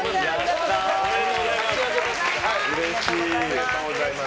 ありがとうございます。